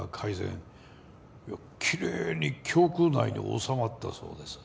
きれいに胸腔内に収まったそうです。